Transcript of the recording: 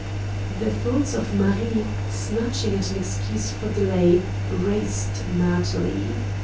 The thoughts of Marie, snatching at an excuse for delay, raced madly.